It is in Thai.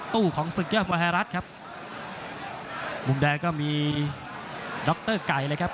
ตู้ของศึกษามหารัฐครับมุมแดงก็มีดรไกรเลยครับ